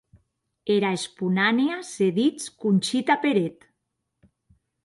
Era esponanèa se dits Conxita Peret.